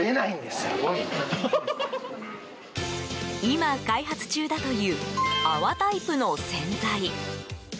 今、開発中だという泡タイプの洗剤。